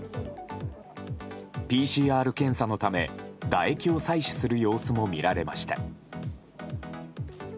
ＰＣＲ検査のため唾液を採取する様子も見られました。